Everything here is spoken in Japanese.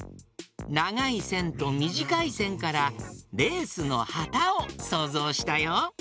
ながいせんとみじかいせんからレースのはたをそうぞうしたよ。